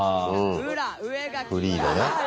フリーのね。